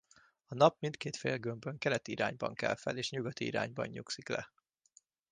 A Nap mindkét félgömbön keleti irányban kel fel és nyugati irányban nyugszik le.